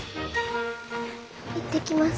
行ってきます。